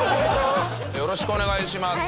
よろしくお願いします。